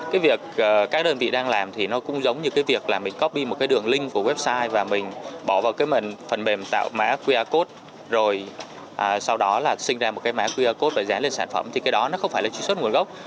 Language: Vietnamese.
cái việc các đơn vị đang làm thì nó cũng giống như cái việc là mình coppy một cái đường link của website và mình bỏ vào cái phần mềm tạo mã qr code rồi sau đó là sinh ra một cái mã qr code và giá lên sản phẩm thì cái đó nó không phải là truy xuất nguồn gốc